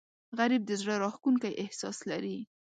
غریب د زړه راښکونکی احساس لري